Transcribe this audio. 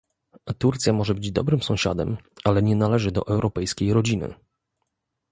Turcja może być dobrym sąsiadem, ale nie należy do europejskiej rodziny